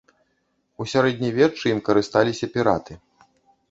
У сярэднявеччы ім карысталіся піраты.